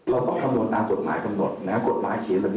เราต้องคำนวณตามกฎหมายกำหนดนะฮะกฎหมายเขียนแบบนี้